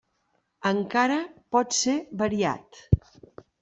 Encara pot ser variat.